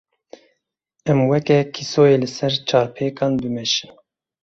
Em weke kîsoyê li ser çarpêkan bimeşin.